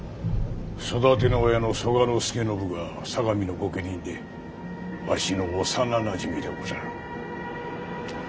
育ての親の曽我祐信が相模の御家人でわしの幼なじみでござる。